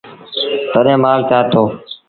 تڏهيݩ مآل چآرتو۔